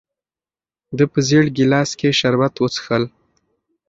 ده په زېړ ګیلاس کې شربت وڅښل.